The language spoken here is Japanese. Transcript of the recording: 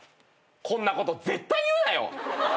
こんなこと絶対に言うなよ。